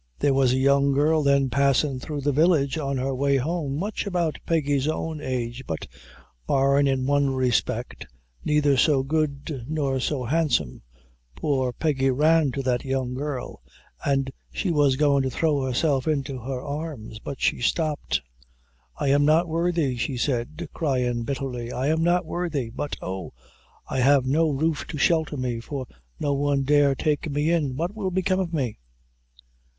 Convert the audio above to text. There was a young girl then passin' through the village, on her way home, much about Peggy's own age, but barring in one respect, neither so good nor so handsome. Poor Peggy ran to that young girl, an' she was goin' to throw herself into her arms, but she stopped. 'I am not worthy,' she said, cryin' bitterly; 'I am not worthy, but oh, I have no roof to shelter me, for no one dare take me in. What will become of me?'"